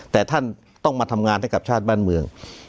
แต่ท่านต้องมาทำงานให้กับชาติบ้านเมือง